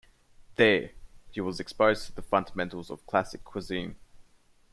There, he was exposed to the fundamentals of classic cuisine.